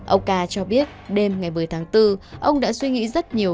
ông ca cho biết đêm ngày một mươi tháng bốn ông đã suy nghĩ rất nhiều